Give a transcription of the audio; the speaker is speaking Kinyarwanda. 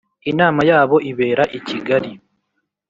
Inama yabo ibera i Kigali